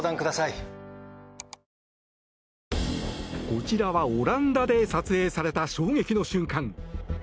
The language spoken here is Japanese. こちらはオランダで撮影された衝撃の瞬間。